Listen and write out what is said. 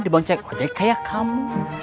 di boncai kocai kayak kamu